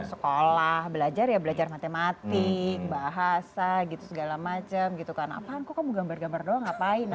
sekolah belajar ya belajar matematik bahasa gitu segala macem gitu kan apaan kok kamu gambar gambar doang ngapain